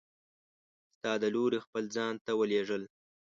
ستا د لورې خپل ځان ته ولیږل!